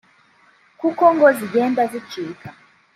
kuko ngo zigenda zicika